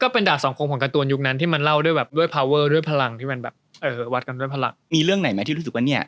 เป็นการ์ตูนในประจำวัยเด็กเลย